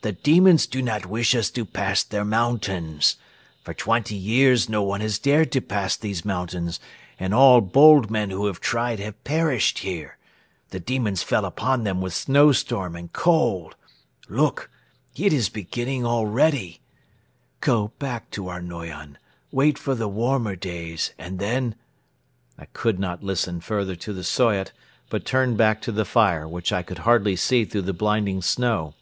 The demons do not wish us to pass their mountains. For twenty years no one has dared to pass these mountains and all bold men who have tried have perished here. The demons fell upon them with snowstorm and cold. Look! It is beginning already. ... Go back to our Noyon, wait for the warmer days and then. ..." I did not listen further to the Soyot but turned back to the fire, which I could hardly see through the blinding snow.